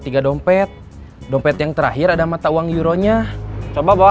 bisa jelasulu diterima aja pendapat anda